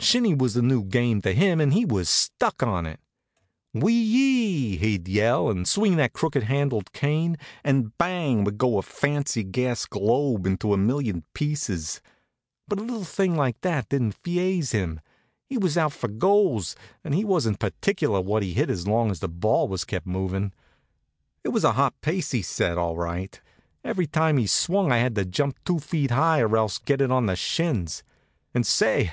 Shinny was a new game to him and he was stuck on it. "Whee yee!" he'd yell, and swing that crooked handled cane, and bang would go a fancy gas globe into a million pieces. But a little thing like that didn't feaze him. He was out for goals, and he wasn't particular what he hit as long as the ball was kept moving. It was a hot pace he set, all right. Every time he swung I had to jump two feet high, or else get it on the shins. And say!